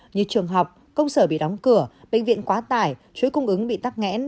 như trường học công sở bị đóng cửa bệnh viện quá tải chuối cung ứng bị tắt ngẽn